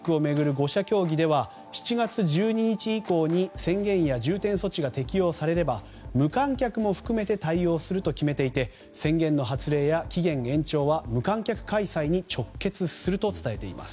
５者協議では７月１２日以降に宣言や重点措置が適用されれば、無観客も含めて対応すると決めていて宣言の発令や期限延長は無観客開催に直結すると伝えています。